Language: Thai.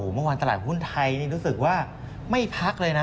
เมื่อวานตลาดหุ้นไทยนี่รู้สึกว่าไม่พักเลยนะ